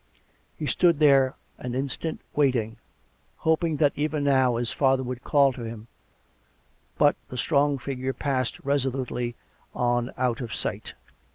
He stood there an instant, waiting; hoping that even now his father would call to him ; but the strong figure passed resolutely on out of sight.